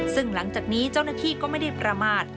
ซึ่งหลังจากนี้เจ้าหน้าที่ก็ไม่ได้ประมาท